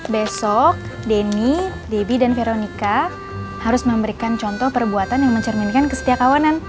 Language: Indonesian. besok denny debbie dan veronica harus memberikan contoh perbuatan yang mencerminkan kesetiakawanan